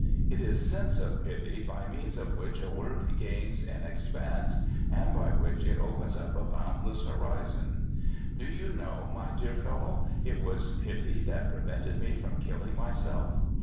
It is sense of pity by means of which a work gains in expanse, and by which it opens up a boundless horizon. Do you know, my dear fellow, it was pity that prevented me from killing myself?